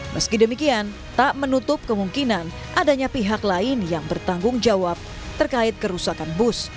meski demikian tak menutup kemungkinan adanya pihak lain yang bertanggung jawab terkait kerusakan bus